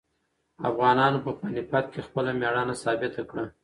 افغانانو په پاني پت کې خپله مېړانه ثابته کړه.